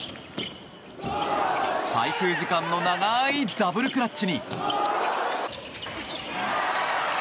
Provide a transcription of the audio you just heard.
滞空時間の長いダブルクラッチに。